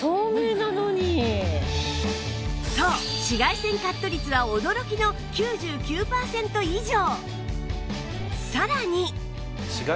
そう紫外線カット率は驚きの９９パーセント以上